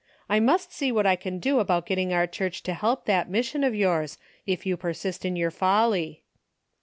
I must see what I can do about getting our church to help that mission of yours, if you persist in your folly."